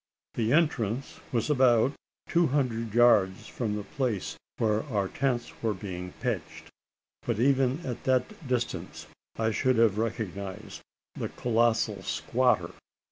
The entrance was about two hundred yards from the place where our tents were being pitched; but even at that distance I should have recognised the colossal squatter.